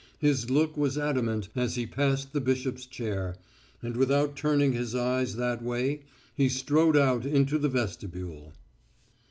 His look was adamant as he passed the bishop's chair, and without turning his eyes that way he strode out into the vestibule.